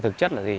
thực chất là gì